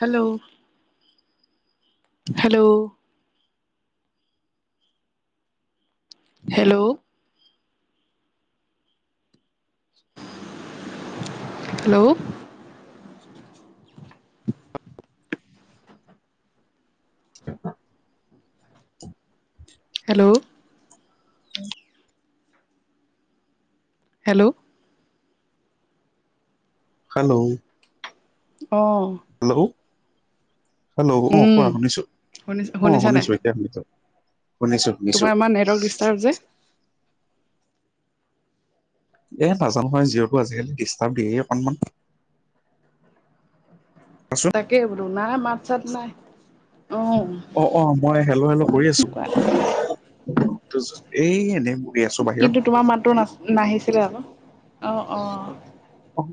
Hello. Hello. Hello. Hello. [unintelligible] Hello. Hello hello! অঁ। Hello hello! অঁ উম কোৱা শুনিছোঁ শুনি অঁ শুনিছা নাই শুনিছোঁয়ে। এতিয়া শুনিছো শুনিছো শুনিছো। তাৰ যে এ নাজানো নহয়, জিঅটো আজিকালি ডিষ্টাৰ্ব দিয়েই অকনমান। কোৱাচোন তাকে বোলো নাই মাত চাত নাই। অ অ অ, মই হেল হেল কৰি আছো। কোৱা কি কৈছে তচ, এই এনেই ঘূৰি আছো বাহিৰত। কিন্তু তোমাৰ মাতটো নাছ নাহিছিলে আক, অঁ অঁ। অ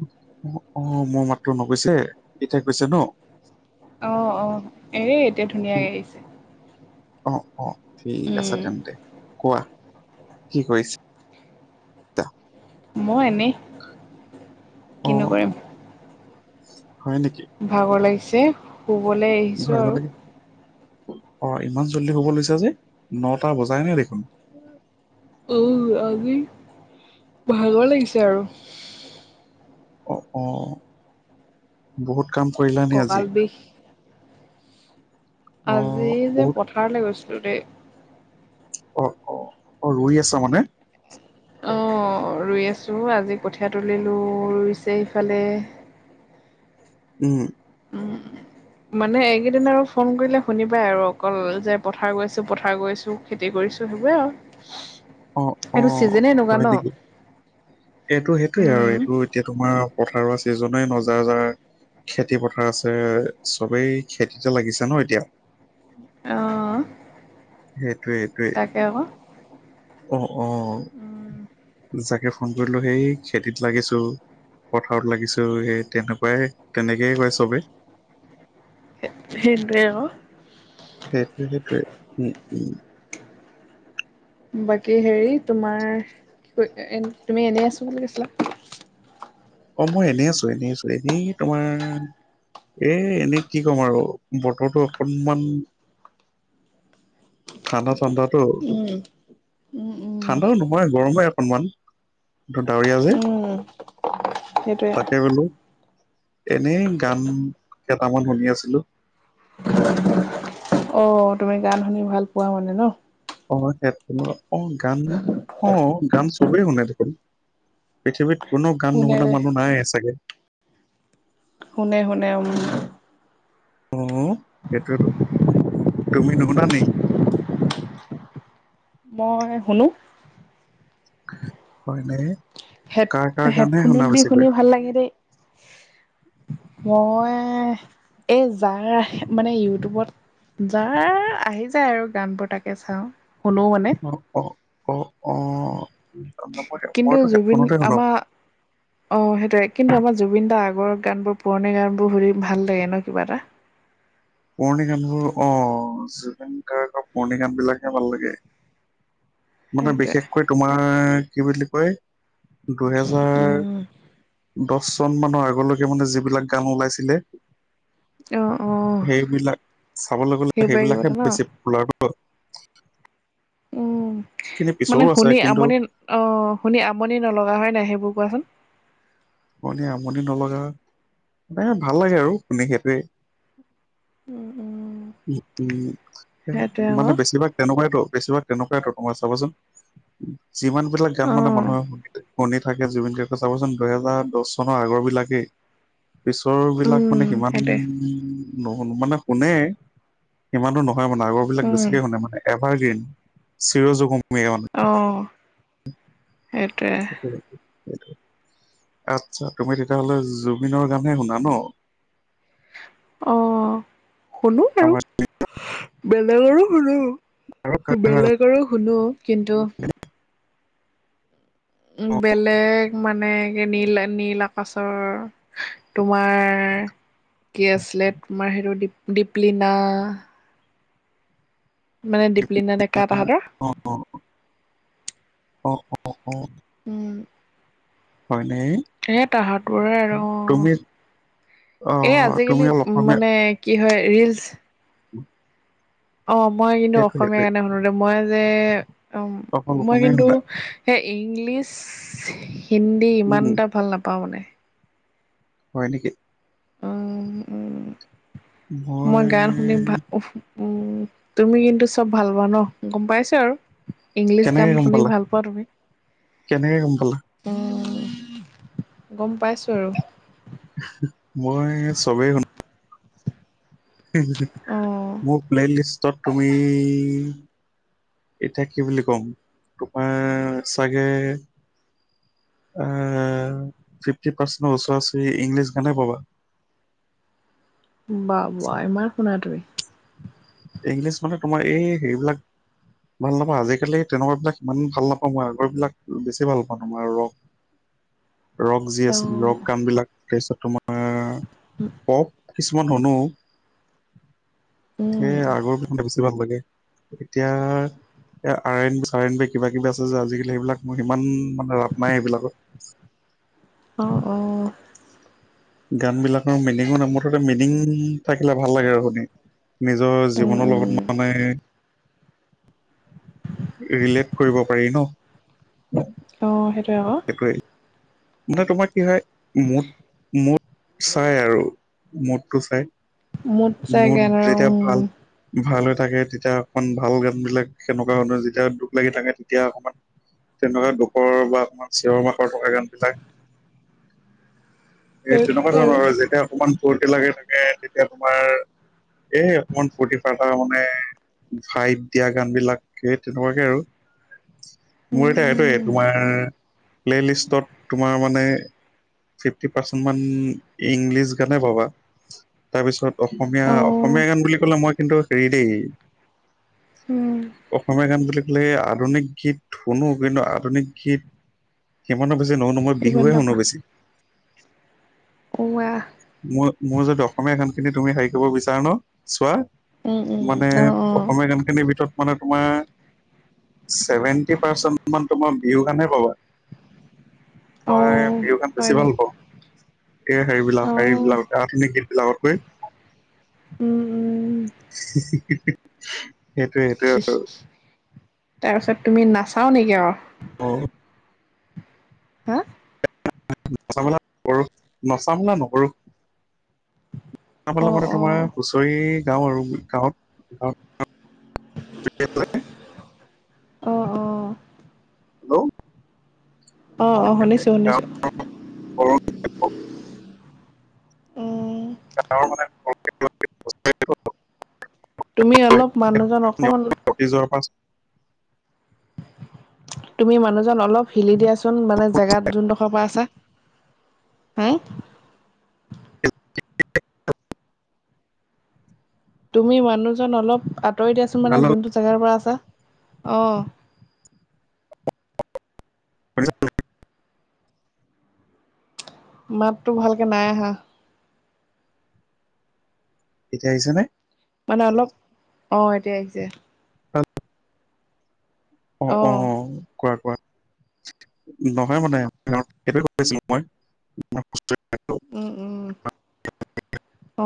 অ, মোৰ মাতটো নগৈছে এতিয়া হৈছে ন? অ অ, এ এতিয়া ধুনীয়াকে আহিছে। অ অ, ঠিক আছে উম তেন্তে কোৱা কি কৰিছা? মই এনেই। কিনো অঁ কৰিম হয় নেকি? ভাগৰ লাগিছে। শুবলে আগতে, অ' ইমান জল্দি শুব লৈছা যে, নটা বজাই ন দেখোন। উ' আজি ভাগৰ লাগিছে আৰু। অঁ অঁ, বহুত কাম কৰিলানে আজি? কঁকাল বিষ অ আজি যে বহুত পথাৰলৈ গৈছিলো দেই। অ অ অ ৰৈ আছা মানে। অঁ ৰুই আছোঁ, আজি কঠীয়া তুলিলোঁ ৰুইছে ইফালে। উম। উম। মানে এইকেইদিন আৰু ফোন কৰিলে শুনিবাই আৰু অকল যে পথাৰ গৈছোঁ, পথাৰ গৈছোঁ। খেতি কৰিছো সেইবোৰে আৰু, অ অ এইটো চিজনে এনেকুৱা হয় ন। নেকি এইটো সেইটোৱে আৰু উম, এইটো এতিয়া তোমাৰ পথাৰৰ ছিজনেই নজা যাৰ। খেতি পথাৰ আছে, চবেই খেতিতে লাগিছে ন এতিয়া। অঁ। সেইটোয়ে সেইটোয়ে অ অ। উম, যাকে ফোন কৰিলো সেই খেতিত লাগিছো। পথাৰত লাগিছো এই তেনেকুৱাই তেনেকেই কয় চবে। এত সেইটোৱে অক। সেইটোয়ে, সেইটয়ে উম উম। বাকী হেৰি তোমাৰ, কি ক এ তুমি এনেই আছো বুলি কৈছিলা। অ' মই এনে আছো এনে আছো এনেই তোমাৰ এ, এনে কি ক'ম আৰু বতৰটো অকনমান ঠাণ্ডা ঠাণ্ডাতো উম। উম, উম। ঠাণ্ডাও নোহয় গৰমেই অকণমান কিন্তু ডাৱৰীয়া যে উম উম। সেইটোয়ে। এহ টো এনেই গান কেইটামান শুনি আছিলো। অ' তুমি গান শুনি ভাল পোৱা মানে ন? অ' হেডফোনৰ অ গান অ গান চবেই শুনে দেখোন। পৃথিৱীত কোনো গান নুশুনা শুনেৰে মানুহ নাই চাগে। শুনে শুনে। অ' সেইটোৱেটো তুমি নুশুনা নেকি? মই শুনো। হয়নে। হেড, হেডফোনত দি শুনি ভাল লাগে দেই। মই এই যাৰ মানে ইউটিউবত। যাৰ আহি যায় আৰু গান বোৰ তাকে চাওঁ শুনো মানে অ, অ অ মই কিন্তু মইতো জুবিন হেডফোনতে শুনো আমাৰ অ সেইটোৱে কিন্তু আমাৰ জুবিন দাৰ আগৰ গানবোৰ পুৰণি গানবোৰ শুনি ভাল লাগে ন কিবা এটা। পুৰণি গানবোৰ অ জুবিন গাৰ্গৰ পুৰণি গান বিলাকে ভাল লাগে। মানে সেইটোৱে বিশেষকৈ তোমাৰ কি বুলি কয়। দুহেজাৰ উম দহ চন মানৰ আগলৈকে মানে যিবিলাক গান ওলাইছিলে। অ, অ সেইবিলাক চাবলৈ গ'লে সেইবোৰে কিবা সেইবিলাকহে এটা ন বেছি পপুলাৰ ন উম খিনি মানে পিছৰো আছে শুনি কিন্তু আমনি অ শুনি আমনি নলগা হয় নাই সেইবোৰ কোৱাচোন। শুনি আমনি নলগা মানে ভাল লাগে আৰু শুনি সেইটোৱে। উম উম উ উ সেইটোৱে আকৌ মানে বেছিভাগ তেনেকুৱাইতো বেছিভাগ তেনেকুৱাইতো তোমাৰ চাবাচোন। যিমান বিলাক গান মানে অ মানুহৰ শুনে। শুনি থাকে জুবিন গাৰ্গৰ চাবচোন দুহেজাৰ দহ চনৰ আগৰ বিলাকেই পিছৰ বিলাক উম মানে সিমান সেইটোৱে নশুনো মানে শুনে সিমানো নহয় মানে আগৰ বিলাক উম বেছিকে শুনে মানে এভাৰগ্ৰীণ, চিৰজুগমীয় মানে। অ সেইটোৱে [unintelligible] সেইটো আচ্ছা তুমি তেতিয়াহ'লে জুবিনৰ গানহে শুনা ন। অ শুনো। বাৰু আমাৰ বেলেগৰো শুনো আৰু কাৰ বেলেগ। গান বেলেগকো শুনো কিন্তু শুনা? উ বেলেগ মানে কে নীল নীল আকাশৰ তোমাৰ কি আছিলে তোমাৰ সেইটো দিপ দীপলিনা মানে দীপলিনা ডেকা তাহাঁতৰ। অ', অ অ অ, উম হয়নে। এ তাহাঁতৰে আৰু অ তুমি এই অ', তুমি আজিকালি অলপ অসমীয়া মানে কি হয় ৰিলচ। অ মই কিন্তু সেইটোৱে অসমীয়া সেইটোৱে গানে শুনো দেই মই যে অ অকল মই অসমীয়াই কিন্তু শুনা সেই ইংলিছ, হিন্দী ইমান উম, এটা ভাল নাপাওঁ মানে হয় নেকি? উম উম মই গান শুনি ভা ওফ উম তুমি কিন্তু চব ভাল পোৱা ন গম পাইছো আৰু। ইংলিছ গান কেনেকে গম শুনি পালা? ভাল পোৱা তুমি? কেনেকে গম পালা? গম পাইছোঁ আৰু। মই চবে শুনো। অঁ মোৰ প্লে'লিষ্টত তুমি এতিয়া কি বুলি ক'ম তোমাৰ চাগে ফিফটি পাৰ্চেণ্টৰ ওচৰা ওচৰি ইংলিছ গানে পাবা বা বোৱা ইমান শুনা তুমি ইংলিছ মানে তোমাৰ এই হেৰিবিলাক। ভাল নাপাওঁ আজিকালি তেনেকুৱা বিলাক ইমান ভাল নাপাওঁ মই আগৰ বিলাক বেছি ভাল পাওঁ তোমাৰ ৰক [inaudible] ৰক যি অঁ আছিল ৰক গান বিলাক তাছত তোমাৰ পপ কিছুমান শুনো। উম আগৰ গানবিলাক বেছি ভাল লাগে এতিয়া এ আৰ এন চাৰ এন বি কিবা কিবি আছে যে আজিকালি সেইবিলাকৰ ইমান মানে ৰাপ নাই সেইবিলাকত। অঁ অঁ গান বিলাকৰ মিনিঙে নথকা মিনিং থাকিলে ভাল লাগে আৰু শুনি। নিজৰ অঁ জীৱনৰ লগত মানে। ৰিলেট কৰিব পাৰি ন। অঁ সেইটোৱে ক। হয় মানে তোমাৰ কি হয় মোদ মোদ চাই আৰু মোদটো চাই। মোত চাই মোদ গান আৰু যেতিয়া উম ভাল ভাল হৈ থাকে তেতিয়া অকণ ভাল গান বিলাক সেনেকুৱা ধৰণৰ যেতিয়া দুখ লাগি থাকে তেতিয়া অকমান। তেনেকুৱা দুখৰ বা তোমাৰ ছেৰমা থকা গান। বিলাক এই তেনেকুৱা ধৰণৰ আৰু যেতিয়া অকমান ফূৰ্তি লাগে থাকে। এ তেতিয়া তোমাৰ এই অকমান ফুৰ্টি ফাৰটা মানে। ফাইট দিয়া গান বিলাক সেই তেনেকুৱাকে আৰু। মোৰ এতিয়া এটো এপো নাই প্লে লিষ্টত। তোমাৰ মানে ফিফটি পাৰ্চেণ্ট মান ইংলিছ গানে পাবা। তাৰ পিছত অসমীয়া অসমীয়া গান বুলি কলে মই কিন্তু হেৰি দেই। অসমীয়া গান বুলি। কলে আধুনিক গীত শুনো কিন্তু আধুনিক গীত সিমানো। যে নহলে মই বিহুে শুনোৱে বেছি। ৱাহ মোৰ মোৰ যদি অসমীয়া খিনি তুমি হেৰি কৰিব বিচাৰা ন চোৱা। মানে অসমীয়া গান খিনিৰ ভিতৰত। মানে তোমাৰ ছেভেন্টি পাৰ্চেন্ট মান তোমাৰ বিহু গানেই পাবা। মই বিহু গান বেছি ভাল পাওঁ। এই হেইবিলাক হেবিলাক আধুনিক গীত বিলাকতকে। উম উম হি হি‌ হি। তাৰপিছত তুমি নাচাও নিকি আঅ অ হা নচা মেলা নকৰো নচা মেলা নকৰো। অ গাৱৰফালৰতো অ তোমাৰ হুঁচৰি গাও আৰু গাঁৱত গাঁত। অ অ হেল্ল' অ অ মানে শুনিছো শুনিছো। [unintelligible] [unintelligible] মানে [unintelligible] [unintelligible] তুমি অলপ মানুহজন অকমান। নিজৰ পা চ তুমি মানুহজন অলপ হিলি দিয়াচোন মানে জেগাত যোনডোখৰ পৰা আছা হু। তুমি মানুহজন অলপ আঁতৰি দিয়াচোন মানে হেল্ল' যোনটো জেগাৰ পৰা আছা অঁ। মাততো ভালকে নাই আহা এতিয়া আহিছে নে? মানে অলপ অ এতিয়া আহিছে। অ অ কোৱা কোৱা। নহয় মানে তেওঁক সেইটোৱে কৈছিলোঁ মই [unintelligible] উম উম অ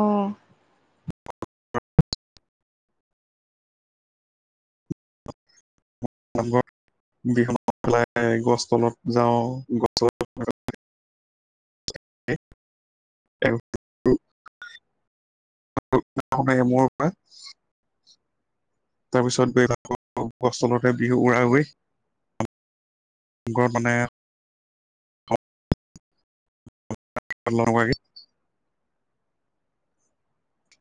নামঘৰত বিহু নাম পেলাই গছ তলত যাওঁ গছ তলত [unintelligible] [unintelligible] এমূৰ পৰা। তাৰ পিছত [unintelligible] বিহু উৰা ওৱে। গৰত মানে [unintelligible]